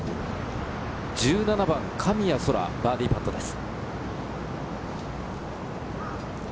１７番、神谷そらのバーディーパットです。